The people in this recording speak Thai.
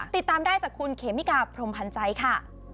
ติดตามได้จากคุณเขมิกาพรมพันธ์ใจค่ะ